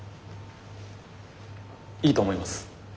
いいと思います。